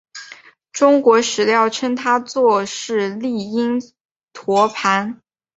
中国史料称他作释利因陀盘。